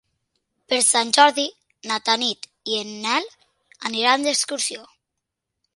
Per Sant Jordi na Tanit i en Nel aniran d'excursió.